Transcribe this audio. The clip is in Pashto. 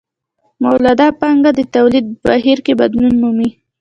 مولده پانګه د تولید په بهیر کې بدلون مومي